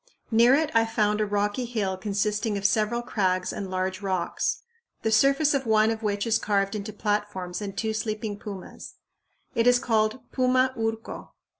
Near it I found a rocky hill consisting of several crags and large rocks, the surface of one of which is carved into platforms and two sleeping pumas. It is called Puma Urco.